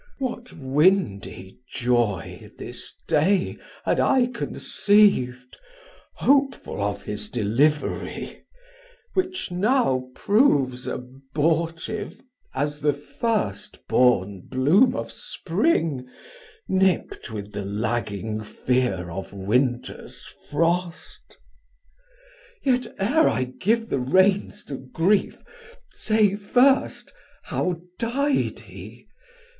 What windy joy this day had I conceiv'd Hopeful of his Delivery, which now proves Abortive as the first born bloom of spring Nipt with the lagging rear of winters frost. Yet e're I give the rains to grief, say first, How dy'd he?